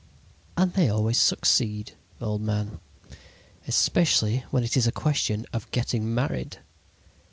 "And they always succeed, old man, especially when it is a question of getting married.